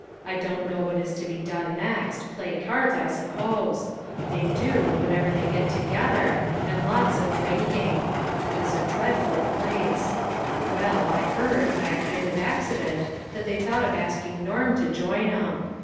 I don't know what is to be done next ; play cards, I suppose; they do, whenever they get together, and lots of drinking. It is a dreadful 194 LITTLE FISHERS : AND THEIE NETS. place. Well, I heard, by a kind of accident, that they thought of asking Norm to join 'em.